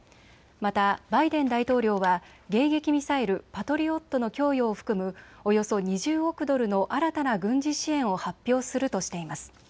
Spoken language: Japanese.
またバイデン大統領は迎撃ミサイル、パトリオットの供与を含むおよそ２０億ドルの新たな軍事支援を発表するとしています。